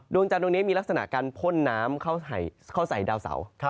ดวงจันทร์ตรงนี้มีลักษณะการพ่นน้ำเข้าใส่ดาวเสา